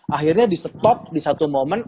akhirnya di stop di satu momen